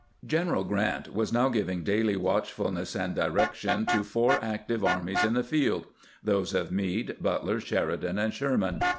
G eneral Grant was now giving daily watchfulness and direction to four active armies in the field — those of Meade, Butler, Sheridan, and Sherman.